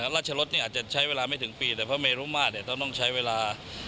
ราชรสอาจจะใช้เวลาไม่ถึงปีแต่พระเมรุมาตรต้องใช้เวลา